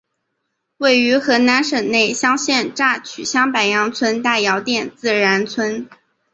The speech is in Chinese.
位于河南省内乡县乍曲乡白杨村大窑店自然村。